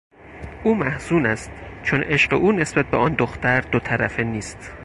او محزون است چون عشق او نسبت به آن دختر دوطرفه نیست.